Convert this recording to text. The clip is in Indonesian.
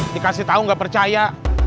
dikasih tau gak percaya